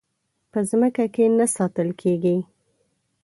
په ځمکه کې نه ساتل کېږي.